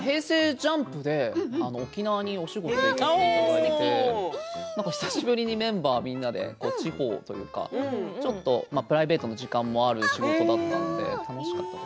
ＪＵＭＰで沖縄にお仕事に行かせていただいて久しぶりにメンバーみんなで地方というかちょっとプライベートの時間もある仕事だったので楽しかったです。